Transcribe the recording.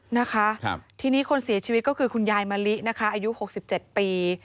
นะคะทีนี้คนเสียชีวิตก็คือคุณยายมะลินะคะอายุ๖๗ปี